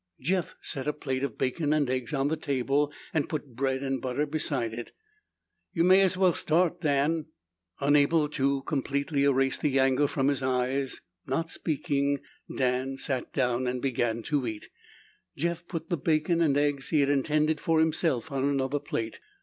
Jeff set a plate of bacon and eggs on the table and put bread and butter beside it. "You may as well start, Dan." Unable completely to erase the anger from his eyes, not speaking, Dan sat down and began to eat. Jeff put the bacon and eggs he had intended for himself on another plate.